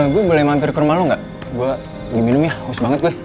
gue boleh mampir ke rumah lo gak gue minum ya haus banget gue